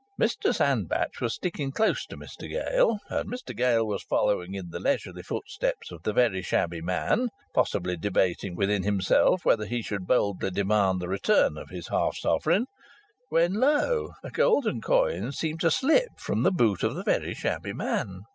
Mr Sandbach was sticking close to Mr Gale, and Mr Gale was following in the leisurely footsteps of the very shabby man, possibly debating within himself whether he should boldly demand the return of his half sovereign, when lo! a golden coin seemed to slip from the boot of the very shabby man.